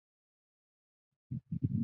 够了喔，每个人都有极限